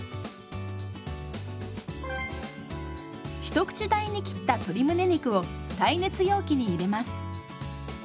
ひと口大に切った鶏むね肉を耐熱容器に入れます。